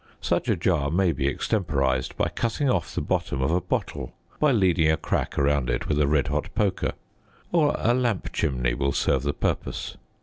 Such a jar may be extemporised by cutting off the bottom of a bottle by leading a crack around it with a red hot poker; or a lamp chimney will serve the purpose.